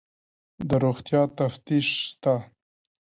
د روغتیا تفتیش شته؟